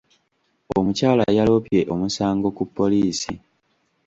Omukyala yaloopye omusango ku poliisi.